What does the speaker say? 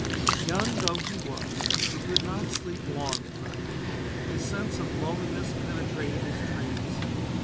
Young though he was he could not sleep long at night. His sense of loneliness penetrated his dreams.